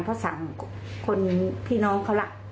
เพราะสั่งคนพี่น้องเขาล่ะ